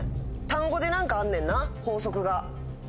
単語で何かあんねんな法則が。